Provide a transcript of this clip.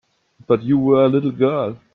But you were a little girl.